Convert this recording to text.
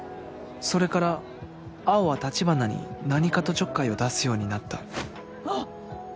それから青は橘に何かとちょっかいを出すようになったあっ！